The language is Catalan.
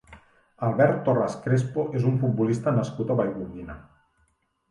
Albert Torras Crespo és un futbolista nascut a Vallgorguina.